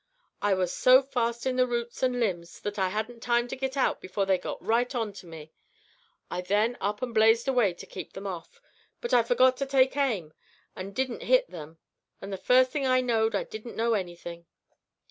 I was so fast in the roots and limbs that I hadn't time to git out before they got right on to me. I then up and blazed away to keep them off, but I forgot to take aim, and didn't hit them, and the first thing I knowed I didn't know anything.